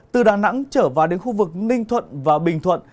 từ đà nẵng trở vào đến khu vực ninh thuận và bình thuận